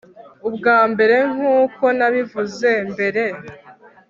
ubwa mbere, nk'uko nabivuze mbere